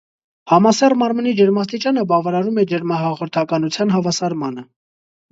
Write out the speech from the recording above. Համասեռ մարմնի ջերմաստիճանը բավարարում է ջերմահաղորդականության հավասարմանը։